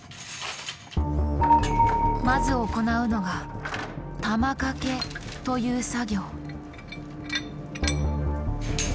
まず行うのが玉掛けという作業。